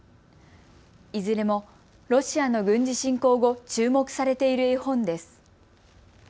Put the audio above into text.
いずれもロシアの軍事侵攻後注目されている絵本です。